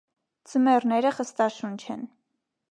Ձմեռները խստաշունչ են։